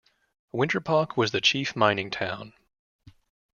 Winterpock was the chief mining town.